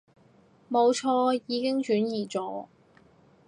冇錯，已經轉移咗